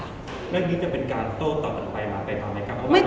เรื่องนี้จะเป็นการโต้ตอบกันไปมาไปนานไหมครับ